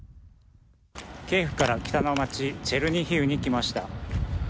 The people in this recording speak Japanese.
キーウから北の街チェルニヒウにきました。